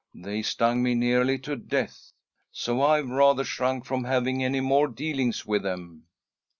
They stung me nearly to death. So I've rather shrunk from having any more dealings with them."